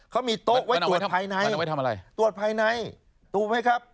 เขามีโต๊ะไว้ตรวจภายในตรวจภายในถูกไหมครับ